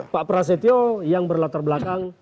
pak prasetyo yang berlatar belakang